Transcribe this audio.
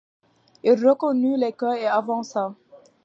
Il reconnut l’écueil et avança.